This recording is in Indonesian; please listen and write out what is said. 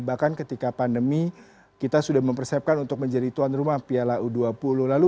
bahkan ketika pandemi kita sudah mempersiapkan untuk menjadi tuan rumah piala u dua puluh lalu